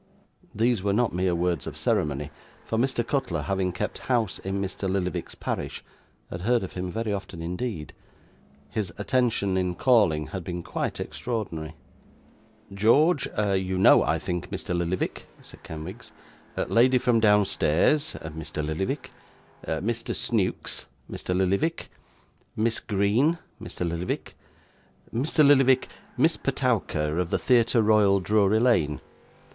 These were not mere words of ceremony; for, Mr. Cutler, having kept house in Mr. Lillyvick's parish, had heard of him very often indeed. His attention in calling had been quite extraordinary. 'George, you know, I think, Mr. Lillyvick,' said Kenwigs; 'lady from downstairs Mr. Lillyvick. Mr. Snewkes Mr. Lillyvick. Miss Green Mr Lillyvick. Mr. Lillyvick Miss Petowker of the Theatre Royal, Drury Lane.